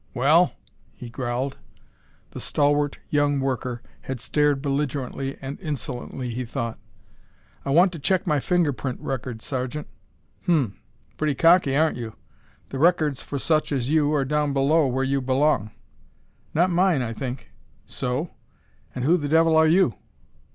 "Well?" he growled. The stalwart young worker had stared belligerently and insolently, he thought. "I want to check my fingerprint record, Sergeant." "Hm. Pretty cocky, aren't you? The records for such as you are down below, where you belong." "Not mine, I think." "So? And who the devil are you?"